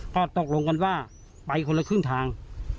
ก็ตกลงกันว่าไปคนละครึ่งทาง